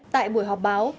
tại buổi họp báo